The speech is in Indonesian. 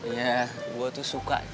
ya gue tuh suka